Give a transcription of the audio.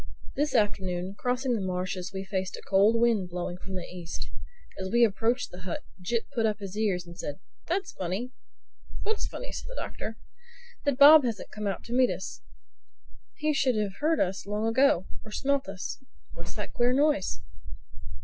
This afternoon, crossing the marshes we faced a cold wind blowing from the East. As we approached the hut Jip put up his ears and said, "That's funny!" "What's funny?" asked the Doctor. "That Bob hasn't come out to meet us. He should have heard us long ago—or smelt us. What's that queer noise?"